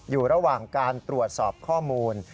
อยู่ระหว่างการตรวจสอบข้อมูล